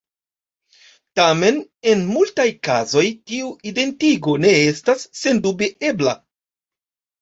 Tamen en multaj kazoj tiu identigo ne estas sendube ebla.